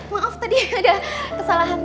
maaf tadi ada kesalahan